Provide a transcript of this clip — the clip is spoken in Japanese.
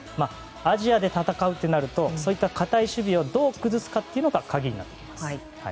アジアで戦うとなるとそういった堅い守備をどう崩すかが鍵になります。